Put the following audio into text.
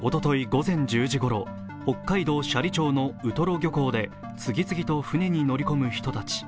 午前１０時ごろ、北海道斜里町のウトロ漁港で次々と船に乗り込む人たち。